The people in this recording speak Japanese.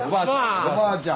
おばあちゃん。